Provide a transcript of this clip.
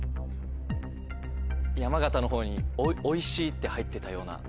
山形のほうに「おいしい」って入ってたような。